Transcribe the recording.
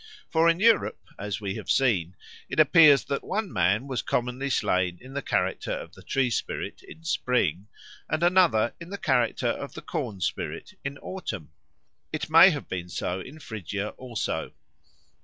For in Europe, as we have seen, it appears that one man was commonly slain in the character of the tree spirit in spring, and another in the character of the corn spirit in autumn. It may have been so in Phrygia also.